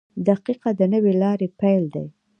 • دقیقه د نوې لارې پیل دی.